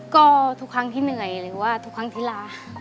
ก็ทุกครั้งที่เหนื่อยหรือว่าทุกครั้งที่ลา